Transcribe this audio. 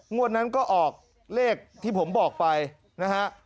งวดนั้นก็ออกเลขที่ผมบอกไปนะฮะ